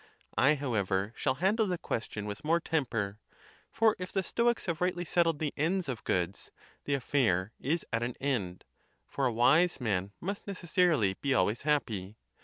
I, however, shall handle the question with more temper; for if the Stoics have rightly settled the ends of goods, the affair is at an end; for a wise man must necessarily be always happy.